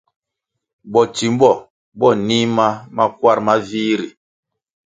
Botsimbo bo nih ma makwar ma vih ri.